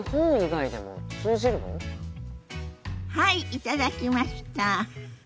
はい頂きました！